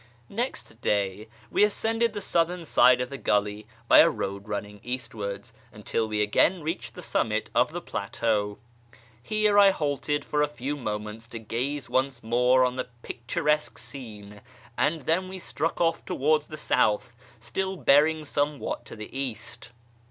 Next (lay we ascended the southern side of the gully by a road running eastwards, until we again reached the summit of the plateau. Here I halted for a few moments to gaze once more on the picturesque scene, and then we struck off towards the south, still bearing somewhat to the east.